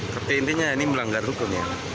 kepintinya ini melanggar hukum ya